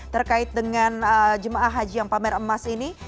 terkait dengan jemaah haji yang pamer emas ini